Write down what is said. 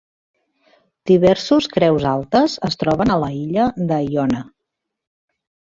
Diversos creus altes es troben a la illa de Iona.